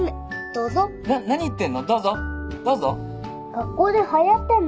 学校ではやってるの。